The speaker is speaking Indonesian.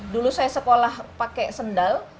dulu saya sekolah pakai sendal